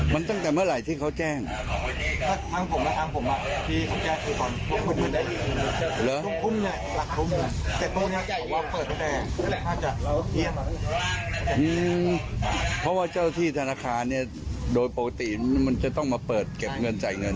เพราะว่าเจ้าหน้าที่ธนาคารโดยปกติมันจะต้องมาเปิดเก็บเงินใจเงิน